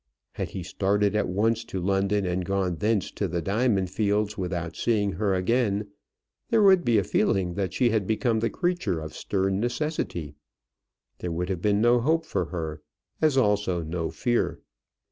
Had he started at once to London and gone thence to the diamond fields without seeing her again there would be a feeling that she had become the creature of stern necessity; there would have been no hope for her, as also no fear.